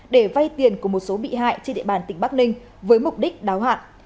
để vay tiền của một số bị hại trên địa bàn tỉnh bắc ninh với mục đích đáo hạn